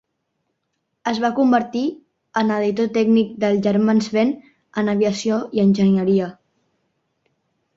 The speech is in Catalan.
Es va convertir en editor tècnic dels Germans Benn en aviació i enginyeria.